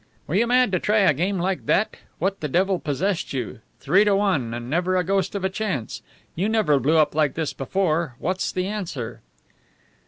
"Were you mad to try a game like that? What the devil possessed you? Three to one, and never a ghost of a chance. You never blew up like this before. What's the answer?"